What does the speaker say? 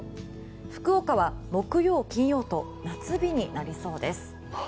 福岡は木曜、金曜と夏日になりそうです。